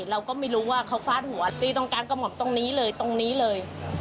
เราก็ไม่รู้ว่าเขาฟาดหัวตีตรงกลางกระหม่อมตรงนี้เลยตรงนี้เลย